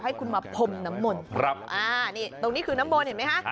ให้คุณมาพรมน้ำมนต์ครับอ่านี่ตรงนี้คือน้ำมนต์เห็นไหมคะ